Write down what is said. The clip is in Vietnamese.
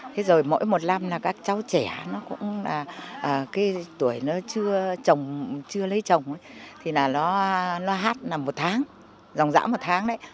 thế rồi mỗi một năm các cháu trẻ tuổi chưa lấy chồng thì nó hát một tháng dòng dã một tháng đấy